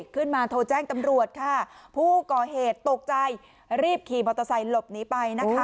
ขึ้นมาโทรแจ้งตำรวจค่ะผู้ก่อเหตุตกใจรีบขี่มอเตอร์ไซค์หลบหนีไปนะคะ